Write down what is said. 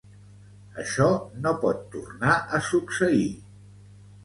Això no pot tornar a succeir.